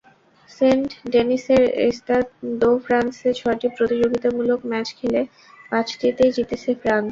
Saint ডেনিসের স্তাদ দো ফ্রান্সে ছয়টি প্রতিযোগিতামূলক ম্যাচ খেলে পাঁচটিতেই জিতেছে ফ্রান্স।